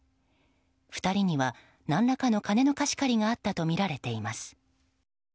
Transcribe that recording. ２人には何らかの金の貸し借りがあったとみられています。